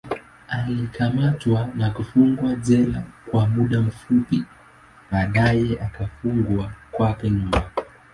Alikamatwa na kufungwa jela kwa muda fupi, baadaye kufungwa kwake nyumbani.